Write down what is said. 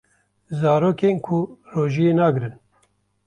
Zarokên ku rojiyê nagrin